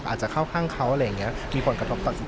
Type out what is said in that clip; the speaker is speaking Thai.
อาจจะเข้าข้างเขาอะไรอย่างนี้มีผลกระทบต่อสิ่ง